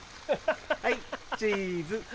はいチーズ！